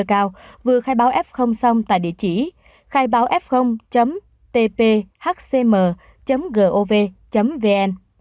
nguy cơ cao vừa khai báo f xong tại địa chỉ khai báo f tphcm gov vn